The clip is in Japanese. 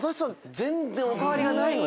全然お変わりがないので。